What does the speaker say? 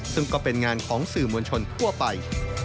ซึ่งก็เป็นงานของสื่อมวลชนทั่วไป